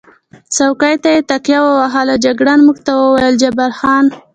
څوکۍ ته یې تکیه ووهل، جګړن موږ ته وویل: جبار خان.